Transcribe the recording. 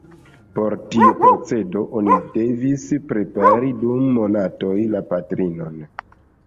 Por tiu procedo oni devis prepari dum monatoj la patrinon.